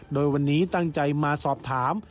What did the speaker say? โดยวันนี้ตั้งใจมาสอบถาม